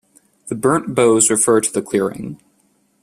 The burnt boughs refer to the clearing.